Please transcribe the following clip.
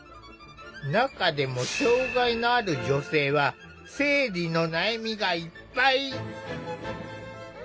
中でも障害のある女性は生理の悩みがいっぱい！